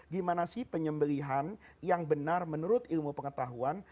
gimana sih penyembelihan yang benar menurut ilmu pengetahuan